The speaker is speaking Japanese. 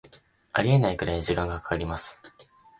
ありえないくらい時間かかります